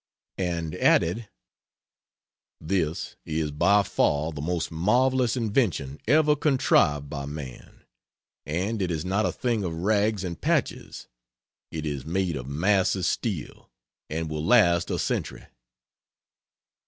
and added, "This is by far the most marvelous invention ever contrived by man. And it is not a thing of rags and patches; it is made of massive steel, and will last a century."